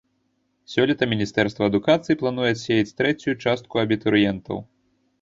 Сёлета міністэрства адукацыі плануе адсеяць трэцюю частку абітурыентаў.